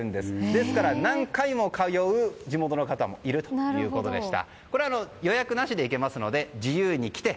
ですから、何回も通う地元の方もいるということでした。